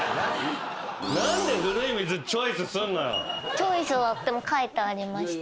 チョイスは書いてありまして。